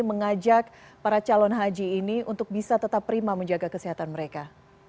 mengajak para calon haji ini untuk bisa tetap prima menjaga kesehatan mereka